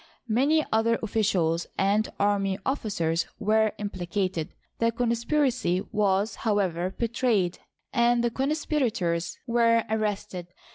Many other officials and army officers were im plicated. The conspiracy was, however, betrayed and the conspirators were arrested.